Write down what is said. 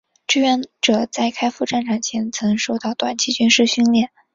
志愿者在开赴战场前曾受过短期军事训练。